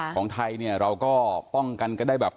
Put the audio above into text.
ของไทยเนี่ยเราก็ป้องกันก็ได้แบบ